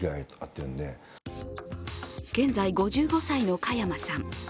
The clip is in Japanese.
現在５５歳の加山さん。